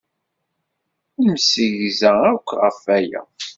Nemsegza akk ɣef waya.